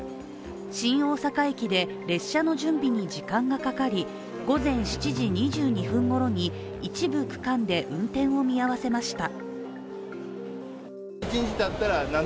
新大阪駅で列車の準備に時間がかかり午前７時２２分ごろに一部区間で運転を見合わせました。